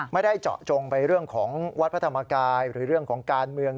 ไม่ได้เจาะจงไปเรื่องของวัดพระธรรมกายหรือเรื่องของการเมือง